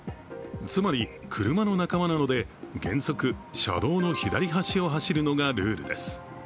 つまり車の仲間なので、原則、車道の左端を走るのがルールです。